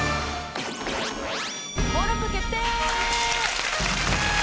登録決定！